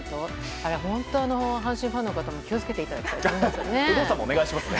あれ、本当、阪神ファンの方も気をつけていただきたいですね。